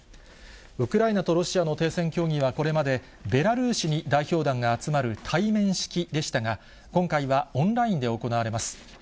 ウクライナとロシアの停戦協議はこれまで、ベラルーシに代表団が集まる対面式でしたが、今回はオンラインで行われます。